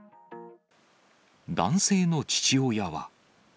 男性の父親は。